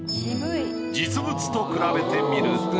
実物と比べてみると。